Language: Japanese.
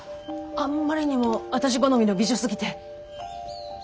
あんまりにもあたし好みの美女すぎて！